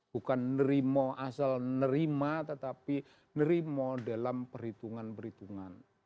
bukan nerimo asal nerima tetapi nerimo dalam perhitungan perhitungan